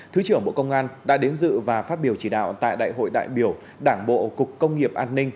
thứ trưởng bộ công an đã đến dự và phát biểu chỉ đạo tại đại hội đại biểu đảng bộ cục công nghiệp an ninh